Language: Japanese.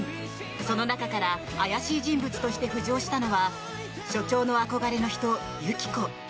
その中から怪しい人物として浮上したのは署長の憧れの人、由希子。